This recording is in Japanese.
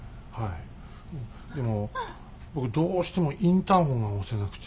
でも僕どうしてもインターホンが押せなくて。